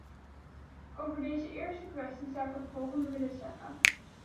Over deze eerste kwestie zou ik het volgende willen zeggen.